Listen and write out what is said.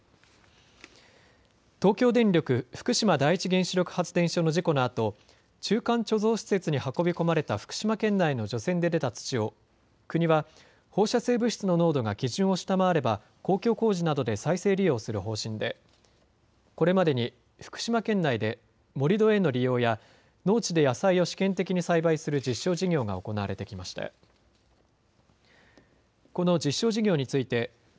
東京電力福島第一原子力発電所の事故のあと中間貯蔵施設に運び込まれた福島県内の除染で出た土を国は放射性物質の濃度が基準を下回れば公共工事などで再生利用する方針でこれまでに福島県内で盛り土への利用や農地で野菜を試験的に栽培する実証事業が行われてきました。